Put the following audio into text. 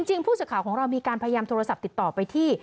ผู้สื่อข่าวของเรามีการพยายามโทรศัพท์ติดต่อไปที่